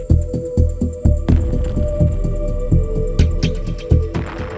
และผมก็เสียใจครับทำได้แล้วครับ